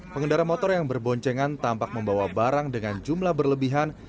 pengendara motor yang berboncengan tampak membawa barang dengan jumlah berlebihan